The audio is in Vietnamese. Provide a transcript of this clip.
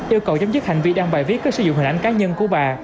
yêu cầu chấm dứt hành vi đăng bài viết có sử dụng hình ảnh cá nhân của bà